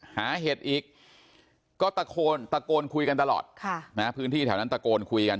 เห็ดอีกก็ตะโกนตะโกนคุยกันตลอดพื้นที่แถวนั้นตะโกนคุยกัน